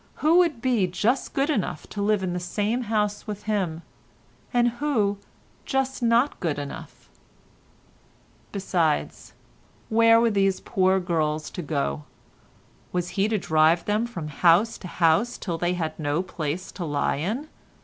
Who would be just good enough to live in the same house with him, and who just not good enough? Besides, where were these poor girls to go? Was he to drive them from house to house till they had no place to lie in?